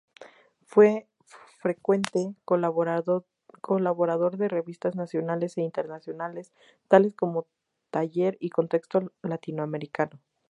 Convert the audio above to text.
Fue frecuente colaborador de revistas nacionales e internacionales, tales como "Taller", y "Contexto Latinoamericano".